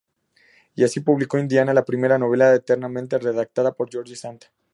Y así se publicó "Indiana", la primera novela enteramente redactada por George Sand.